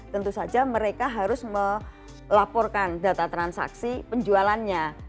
tentu saja mereka harus melaporkan data transaksi penjualannya